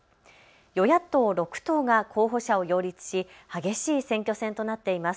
与野党６党が候補者を擁立し激しい選挙戦となっています。